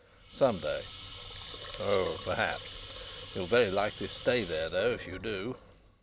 "Some day." "Oh, perhaps. You'll very likely stay there though, if you do."